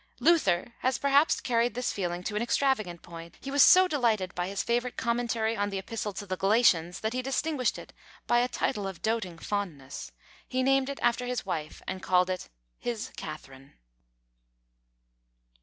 Luther has perhaps carried this feeling to an extravagant point. He was so delighted by his favourite "Commentary on the Epistle to the Galatians," that he distinguished it by a title of doting fondness; he named it after his wife, and called it "His Catherine."